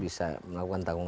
tidak ada perbedaan sama sekali